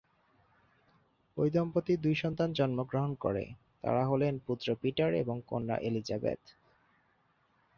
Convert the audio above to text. এই দম্পতির দুই সন্তান জন্মগ্রহণ করে, তারা হলেন পুত্র পিটার এবং কন্যা এলিজাবেথ।